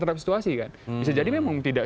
terhadap situasi kan bisa jadi memang tidak